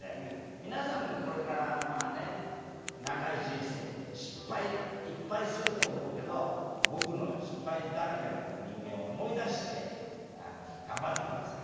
皆さんもこれからまあね長い人生失敗いっぱいすると思うけど僕のように失敗だらけの人間を思い出して頑張ってください。